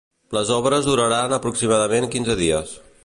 Les obres duraran aproximadament quinze dies.